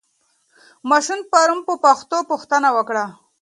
ماشوم پرون په پښتو پوښتنه وکړه.